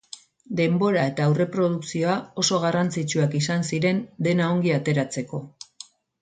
Denbora eta aurreprodukzioa oso garrantzitsuak izan ziren dena ongi ateratzeko.